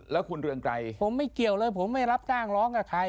แล้วคุณเรืองไกรผมไม่เกี่ยวเลยผมไม่รับจ้างร้องกับใคร